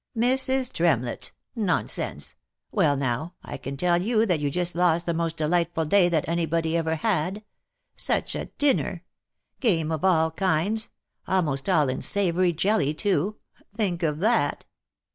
" Mrs. Tremlett !— Nonsense !— Well now, I can tell you thatyou just lost the most delightful day that any body ever had. Such a dinner !— Game of all kinds — almost all in savoury jelly too ! Think of that